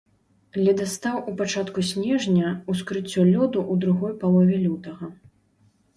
Ледастаў у пачатку снежня, ускрыццё лёду ў другой палове лютага.